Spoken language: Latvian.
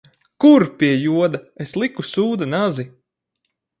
Kur, pie joda, es liku sūda nazi?